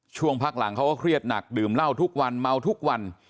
ช่วงพักหลังเขาก็เครียดหนักดื่มเหล้าทุกวันเมาทุกวัน